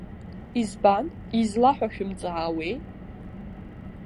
Избан, изла ҳәа шәымҵаауеи?